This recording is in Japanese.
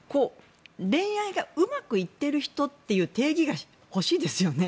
恋愛がうまくいっている人っていう定義が欲しいですよね。